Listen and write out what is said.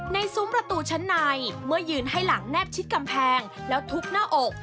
ซุ้มประตูชั้นในเมื่อยืนให้หลังแนบชิดกำแพงแล้วทุบหน้าอก